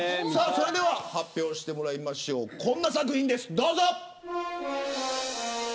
それでは発表してもらいましょうこんな作品です、どうぞ。